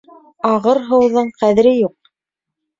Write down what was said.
Ағыр һыуҙың ҡәҙере юҡ.